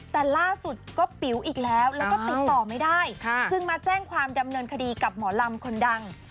แต่ล่าสุดก็ปิ๋วอีกแล้วแล้วก็ติดต่อไม่ได้จึงมาแจ้งความดำเนินคดีกับหมอลำคนดัง